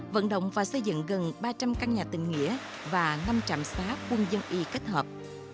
vận động và xây dựng gần ba trăm linh căn nhà tình nghĩa và năm trạm xá quân dân y kết hợp